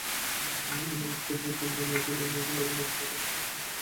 এমন উত্তর পর্যন্ত দিলে না যে, লাবণ্যর পিতা তাকে স্বয়ং আমন্ত্রণ করে এনেছেন।